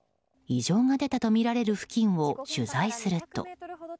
異常が出たとみられる付近を取材すると。